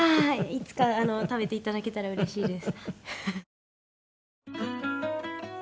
いつか食べていただけたらうれしいです。